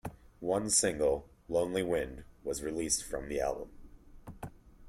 One single, "Lonely Wind", was released from the album.